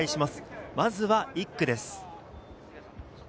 まずは１区です。